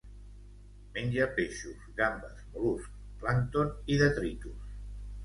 Menja peixos, gambes, mol·luscs, plàncton i detritus.